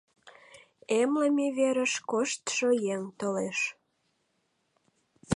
Эмлыме верыш коштшо еҥ толеш!